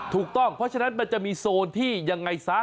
ถูกต้องเพราะฉะนั้นมันจะมีโซนที่ยังไงซะ